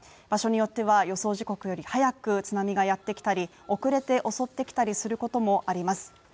場所によっては予想時刻より早く津波がやってきたり、遅れて襲ってきたりすることもあります。